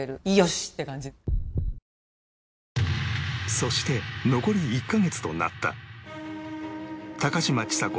そして残り１カ月となった高嶋ちさ子